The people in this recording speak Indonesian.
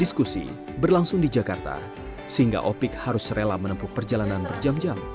diskusi berlangsung di jakarta sehingga opik harus rela menempuh perjalanan berjam jam